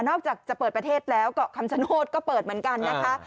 อกจากจะเปิดประเทศแล้วเกาะคำชโนธก็เปิดเหมือนกันนะคะ